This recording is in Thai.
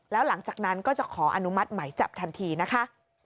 แล้วหลังจากนั้นก็จะขออนุมัติไหมจับทันทีนะคะ